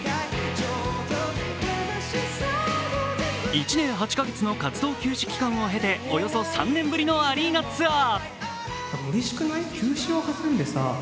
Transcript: １年８か月の活動休止期間を経ておよそ３年ぶりのアリーナツアー。